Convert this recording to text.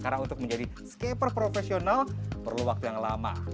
karena untuk menjadi skaper profesional perlu waktu yang lama